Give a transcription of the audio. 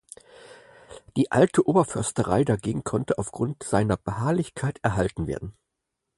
Die alte Oberförsterei dagegen konnte aufgrund seiner Beharrlichkeit erhalten werden.